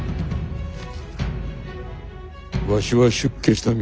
わしは出家した身。